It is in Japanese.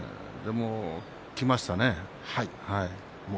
きましたね。